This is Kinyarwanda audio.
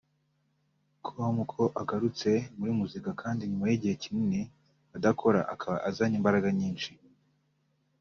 com ko agarutse muri muzika kandi nyuma y’igihe kinini adakora akaba azanye imbaraga nyinshi